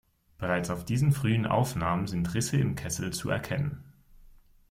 Bereits auf diesen frühen Aufnahmen sind Risse im Kessel zu erkennen.